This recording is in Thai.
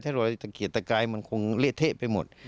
ถ้ารอยตะเกียดตะกายมันคงเละเทะไปหมด